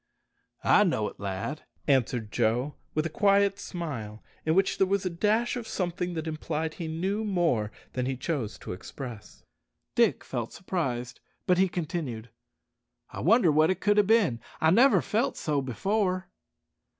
"I know it, lad," answered Joe, with a quiet smile, in which there was a dash of something that implied he knew more than he chose to express. Dick felt surprised, but he continued, "I wonder what it could have bin. I never felt so before."